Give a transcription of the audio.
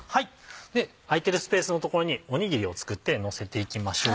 空いているスペースの所におにぎりを作ってのせていきましょう。